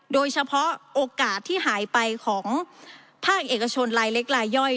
โอกาสที่หายไปของภาคเอกชนลายเล็กลายย่อย